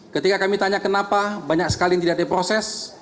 ketika kami tanya kenapa banyak sekali yang tidak diproses